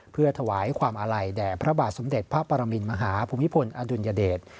เพื่อถวายความอาลัยแด่พระบาทสมเด็จพระปรมินมหาภูมิพลอดุลยเดช